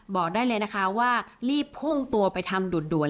บอกได้เลยนะคะว่ารีบพุ่งตัวไปทำดูดด่วนเลยค่ะ